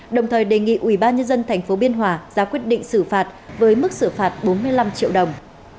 đồng thời đề nghị ubnd tp biên hòa ra quyết định xử phạt với mức xử phạt bốn mươi năm triệu đồng